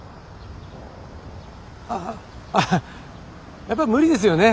アハッやっぱ無理ですよね。